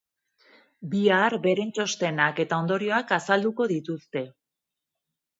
Bihar, beren txostenak eta ondorioak azalduko dituzte.